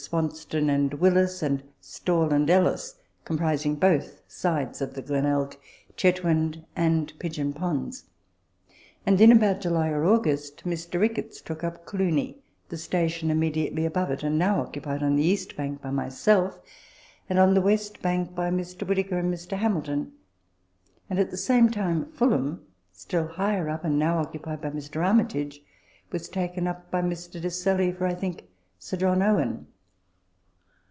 Swanston and Willis, and Stawell and Ellis), comprising both sides of the Glenelg Chetwynd, and Pigeon Ponds ; and in about July or August Mr. Ricketts took up " Clunie," the station immediately above it, and now occupied on the east bank by myself, and on the west bank by Mr. Whittaker and Mr. Hamilton, and at the same time, " Fulham," still higher up, and now occupied by Mr. Armytage, was taken up by Mr. Desailly for, I think, Sir John Owen.